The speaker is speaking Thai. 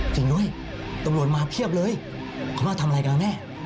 จริงด้วยตำรวจมาเพียบเลยเขามาทำอะไรกันนะแม่